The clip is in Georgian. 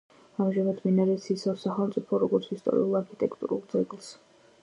ამჟამად მინარეთს იცავს სახელმწიფო, როგორც ისტორიულ-არქიტექტურულ ძეგლს.